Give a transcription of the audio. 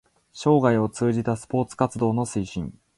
生涯を通じたスポーツ活動の推進